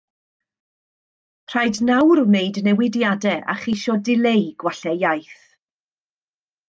Rhaid nawr wneud newidiadau a cheisio dileu gwallau iaith